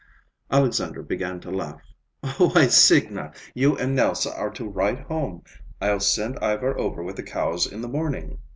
Alexandra began to laugh. "Why, Signa, you and Nelse are to ride home. I'll send Ivar over with the cows in the morning."